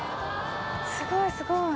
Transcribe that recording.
すごいすごい。